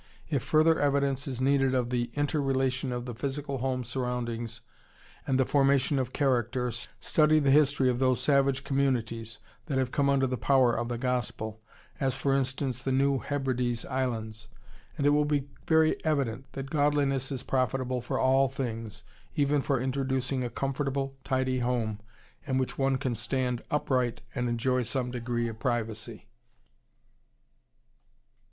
If further evidence is needed of the inter relation of the physical home surroundings and the formation of character, study the history of those savage communities that have come under the power of the Gospel, as for instance the New Hebrides Islands, and it will be very evident that "godliness is profitable for all things," even for introducing a comfortable, tidy home in which one can stand upright and enjoy some degree of privacy!